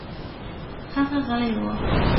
هغه غلى و.